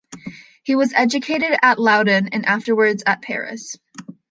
He was educated at Loudun and afterwards at Paris.